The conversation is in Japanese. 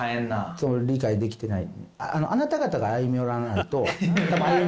その理解できてない。